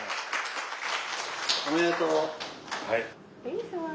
おめでとう。